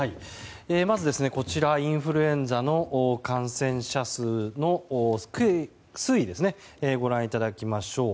まずインフルエンザの感染者数の推移をご覧いただきましょう。